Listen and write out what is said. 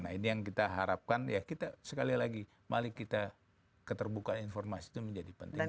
nah ini yang kita harapkan ya kita sekali lagi mari kita keterbukaan informasi itu menjadi penting